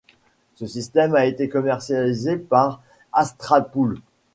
Ce système a été commercialisé par AstralPool.